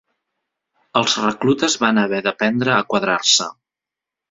Els reclutes van haver d'aprendre a quadrar-se.